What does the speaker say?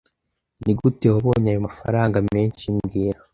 Nigute wabonye ayo mafaranga menshi mbwira